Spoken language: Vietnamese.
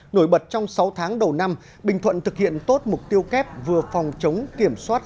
nổi bật trong sáu tháng đầu năm bình thuận thực hiện tốt mục tiêu kép vừa phòng chống kiểm soát